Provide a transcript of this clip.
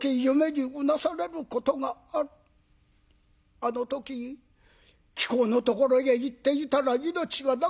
あの時貴公のところへ行っていたら命がなかったと思うと」。